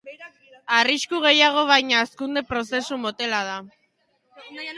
Arrisku gutxiago baina hazkunde prozesu motela da.